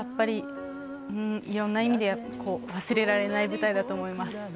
いろんな意味で忘れられない舞台だと思います。